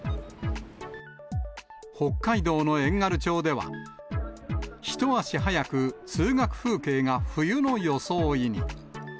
北海道の遠軽町では、一足早く通学風景が冬の装いに。